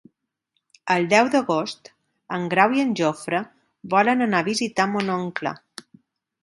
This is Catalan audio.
El deu d'agost en Grau i en Jofre volen anar a visitar mon oncle.